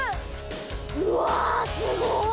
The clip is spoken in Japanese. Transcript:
うわすごい！